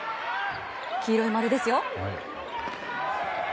黄色い丸ですよ。